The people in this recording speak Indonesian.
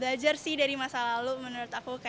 belajar sih dari masa lalu menurut aku